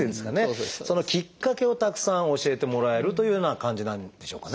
そのきっかけをたくさん教えてもらえるというような感じなんでしょうかね。